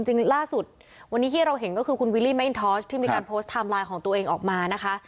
จริงล่าสุดวันนี้ที่เราเห็นก็คือคุณวิลลี่แมงทอสที่มีการโพสต์ไทม์ไลน์ของตัวเองออกมานะคะ